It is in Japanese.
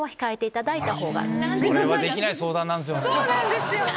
そうなんですよね！